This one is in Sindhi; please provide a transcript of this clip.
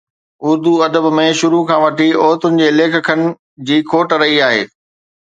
اردو ادب ۾ شروع کان وٺي عورتن جي ليکڪن جي کوٽ رهي آهي